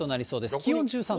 気温１３度。